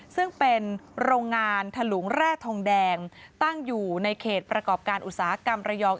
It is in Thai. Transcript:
ซึ่งเป็นโรงงานถลุงแร่ทองแดงตั้งอยู่ในเขตประกอบการอุตสาหกรรมระยอง